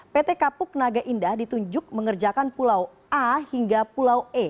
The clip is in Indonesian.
pt kapuk naga indah ditunjuk mengerjakan pulau a hingga pulau e